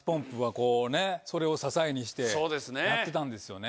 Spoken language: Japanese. それを支えにしてやってたんですよね。